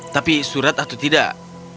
tapi surat atau tidak